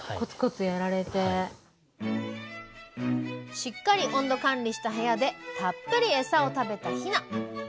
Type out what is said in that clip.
しっかり温度管理した部屋でたっぷりエサを食べたヒナ。